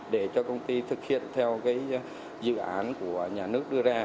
để cho công ty thực hiện theo dự án của nhà nước đưa ra